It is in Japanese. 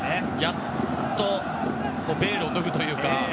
やっとベールを脱ぐというか。